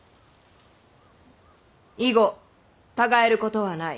以後たがえることはない。